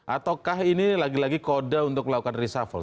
ataukah ini lagi lagi kode untuk melakukan reshuffle